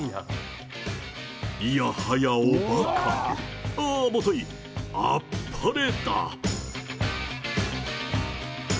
いやはや、おばか、ああもとい、あっぱれだ。